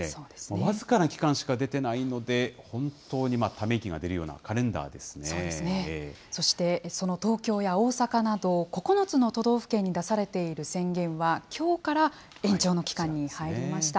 僅かな期間しか出ていないので、本当にため息が出るようなカレンそして、その東京や大阪など、９つの都道府県に出されている宣言は、きょうから延長の期間に入りました。